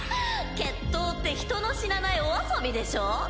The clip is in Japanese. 決闘って人の死なないお遊びでしょ？